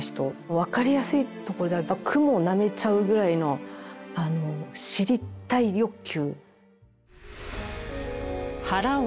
分かりやすいところではクモをなめちゃうぐらいの知りたい欲求。